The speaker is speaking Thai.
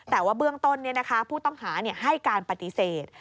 แต่ว่าเบื้องต้นผู้ต้องหาให้การปฏิเสธ